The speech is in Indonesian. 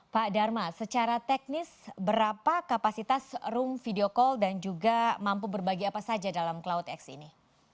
pak dharma secara teknis berapa kapasitas room video call dan juga mampu berbagi apa saja dalam cloudx ini